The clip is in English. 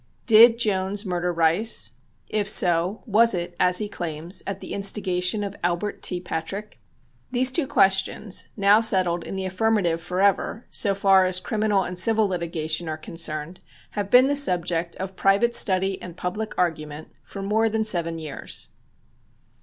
Did Jones murder Rice? If so, was it, as he claims, at the instigation of Albert T. Patrick? These two questions, now settled in the affirmative forever, so far as criminal and civil litigation are concerned, have been the subject of private study and public argument for more than seven years.